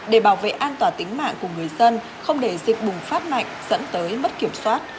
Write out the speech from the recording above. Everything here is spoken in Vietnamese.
để bảo vệ an toàn tính mạng của người dân không để dịch bùng phát mạnh dẫn tới mất kiểm soát